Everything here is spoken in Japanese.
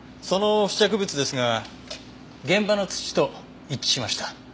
その付着物ですが現場の土と一致しました。